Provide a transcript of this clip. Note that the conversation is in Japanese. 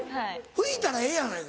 拭いたらええやないか。